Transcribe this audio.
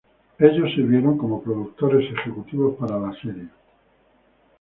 Ellos sirvieron como productores ejecutivos para la serie.